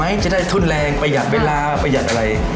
ไม่คิดว่าจะได้ทุนแรงประหยัดเวลาประหยัดอะไร